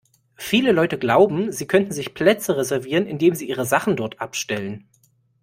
Viele Leute glauben, sie könnten sich Plätze reservieren, indem sie ihre Sachen dort abstellen.